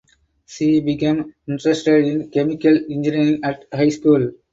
She became interested in chemical engineering at high school.